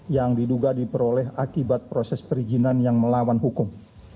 yang diduga diperoleh akibat proses perizinan yang melawan hukum